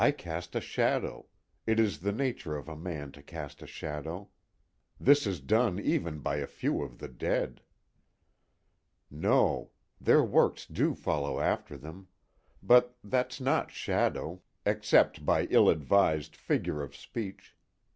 I cast a shadow. It is the nature of a man to cast a shadow. This is done even by a few of the dead. _No. 'Their works do follow after them'; but that's not shadow, except by ill advised figure of speech.